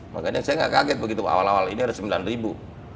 makanya saya nggak kaget begitu awal awal ini ada sembilan ribu